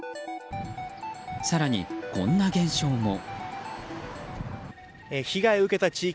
更に、こんな現象も。